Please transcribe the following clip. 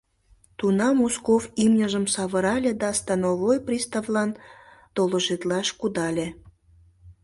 Тунам Узков имньыжым савырале да становой приставлан доложитлаш кудале.